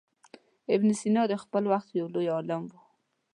ابن سینا د خپل وخت ډېر لوی عالم و.